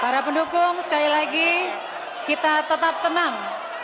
para pendukung sekali lagi kita tetap tenang